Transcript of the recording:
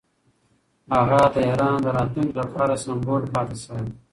هغه د ایران د راتلونکي لپاره سمبول پاتې شوی.